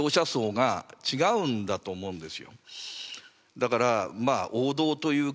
だからまあ王道というかあの。